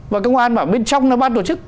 và công an mà bên trong nó ban tổ chức